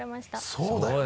そうだよね。